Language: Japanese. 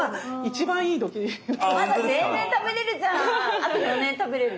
あと４年食べれるよ。